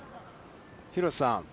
廣瀬さん。